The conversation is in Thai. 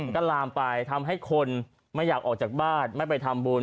ก็ลามไปทำให้คนไม่อยากออกจากบ้านไม่ไปทำบุญ